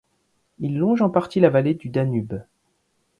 Il longe en partie la vallée du Danube.